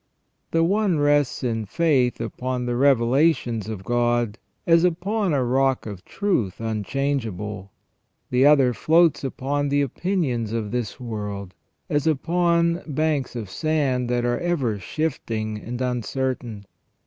The one rests in faith upon the revelations of God, as upon a rock of truth unchangeable; the other floats upon the opinions of this world, as upon banks of sand that are ever shifting and uncertain.